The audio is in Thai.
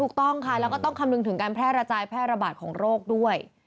ถูกต้องค่ะแล้วก็ต้องคำนึงถึงการแพร่กระจายแพร่ระบาดของโรคด้วย